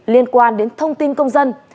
liên quan đến thông tin công dân